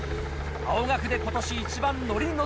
青学で今年一番ノリにノ